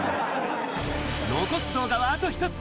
残す動画はあと１つ。